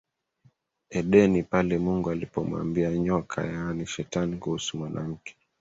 Edeni pale Mungu alipomwambia nyoka yaani shetani kuhusu mwanamke